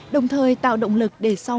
đồng thời tạo động lực để sau